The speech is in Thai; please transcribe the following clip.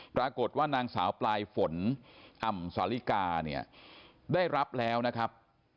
ปรากฏว่านางสาวปลายฝนอ่ำสาลิกาเนี่ยได้รับแล้วนะครับ